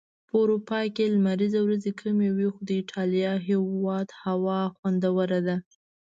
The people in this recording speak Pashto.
په اروپا کي لمريزي ورځي کمی وي.خو د ايټاليا هيواد هوا خوندوره ده